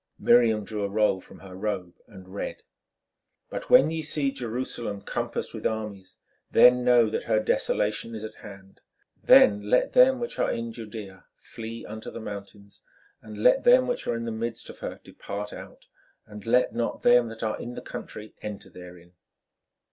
Miriam drew a roll from her robe and read: "But when ye see Jerusalem compassed with armies, then know that her desolation is at hand. Then let them which are in Judæa flee unto the mountains; and let them which are in the midst of her depart out; and let not them that are in the country enter therein.